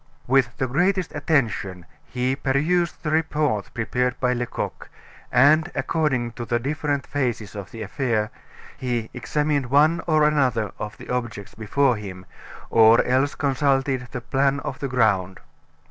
With the greatest attention, he perused the report prepared by Lecoq, and according to the different phases of the affair, he examined one or another of the objects before him, or else consulted the plan of the ground.